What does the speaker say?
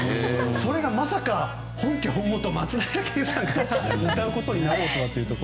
それがまさか本家本元、松平健さんが歌うことになるとはと。